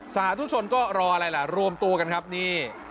สาธุชนก็รออะไรล่ะรวมตัวกันครับนี่